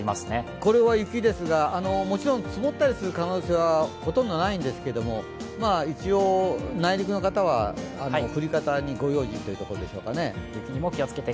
これは雪ですが、もちろん積もる可能性はほとんどないんですけれども一応、内陸の方は降り方にご用心ということでしょうかね。